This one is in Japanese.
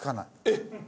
えっ！